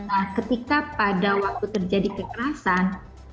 nah ketika pada waktu terjadi kekerasan